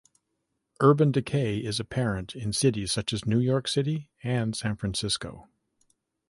Urban decay is apparent in cities such as New York City and San Francisco.